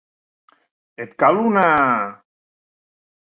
Et cal una...?